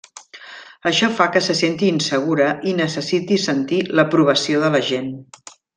Això fa que se senti insegura i necessiti sentir l’aprovació de la gent.